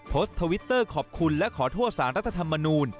ทวิตเตอร์ขอบคุณและขอโทษสารรัฐธรรมนูล